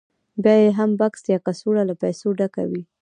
بیا یې هم بکس یا کڅوړه له پیسو ډکه وي